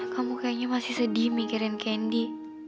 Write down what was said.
kayaknya masih sedih mikirin candy